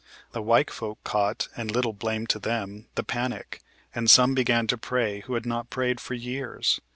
The white folk caught (and little blame to them) the panic, and some began to pray who had not prayed for years.